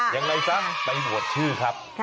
ยังไงซะไปโหวตชื่อครับ